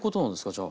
じゃあ。